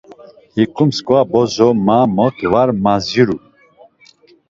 Hiǩu mskva bozo ma mot var madziru.